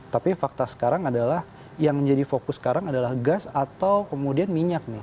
tapi fakta sekarang adalah yang menjadi fokus sekarang adalah gas atau kemudian minyak nih